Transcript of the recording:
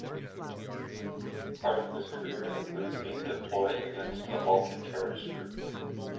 Part of his career includes being deployed against a Balkan terrorist group.